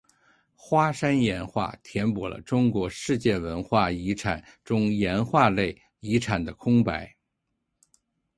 花山岩画填补了中国世界文化遗产中岩画类遗产的空白。